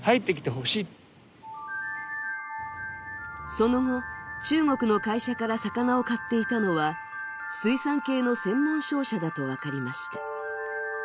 その後、中国の会社から魚を買っていたのは水産系の専門商社だと分かりました。